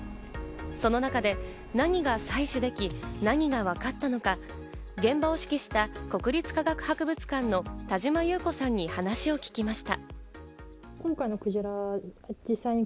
その中で何が採取でき、何がわかったのか、現場を指揮した国立科学博物館の田島木綿子さんに話を聞きました。